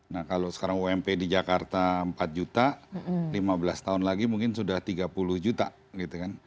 nah kalau sekarang ump di jakarta empat juta lima belas tahun lagi mungkin sudah tiga puluh juta gitu kan